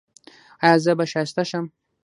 ایا زه به ښایسته شم؟